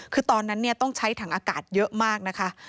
คือตอนนั้นต้องใช้ถังอากาศเยอะมากนะคะ